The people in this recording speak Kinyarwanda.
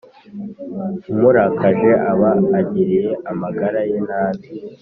umurakaje aba agiriye amagara ye nabi